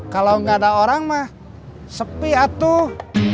kalau nggak ada orang mah sepi atuh